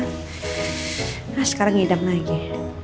nah sekarang hidang lagi